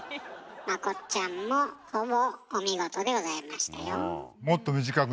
まこっちゃんもほぼお見事でございましたよ。